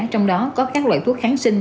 trong đó có các loại thuốc kháng sinh